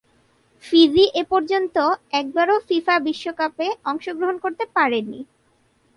Fiji এপর্যন্ত একবারও FIFA বিশ্বকাপে অংশগ্রহণ করতে পারেনি।